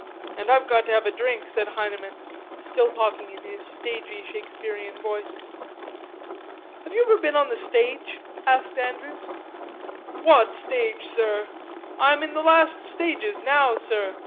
and I've got to have a drink," said Heineman, still talking in his stagey Shakespearean voice. "Have you ever been on the stage?" asked Andrews. "What stage, sir? I'm in the last stages now, sir....